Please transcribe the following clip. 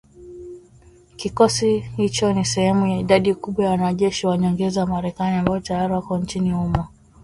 Kikosi hicho ni sehemu ya idadi kubwa ya wanajeshi wa nyongeza wa Marekani ambao tayari wako nchini humo